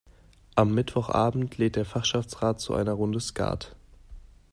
Am Mittwochabend lädt der Fachschaftsrat zu einer Runde Skat.